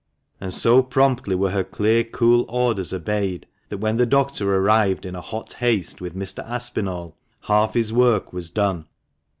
And so promptly were her clear, cool orders obeyed, that when the doctor arrived in hot haste with Mr. Aspinall, half his work was done.